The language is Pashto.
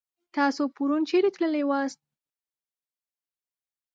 تاسو پرون چيرې تللي واست؟